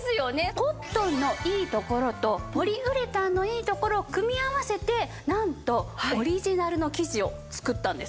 コットンのいいところとポリウレタンのいいところを組み合わせてなんとオリジナルの生地を作ったんです。